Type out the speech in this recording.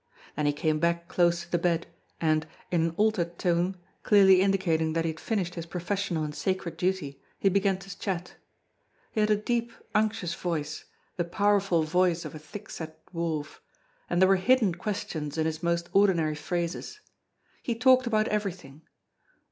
Then he came back close to the bed, and, in an altered tone, clearly indicating that he had finished his professional and sacred duty, he began to chat. He had a deep, unctuous voice, the powerful voice of a thickset dwarf, and there were hidden questions in his most ordinary phrases. He talked about everything.